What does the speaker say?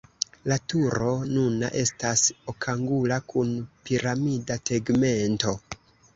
La turo nuna estas okangula kun piramida tegmento.